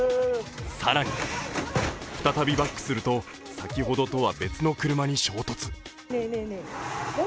更に再びバックすると先ほどとは別の車に衝突。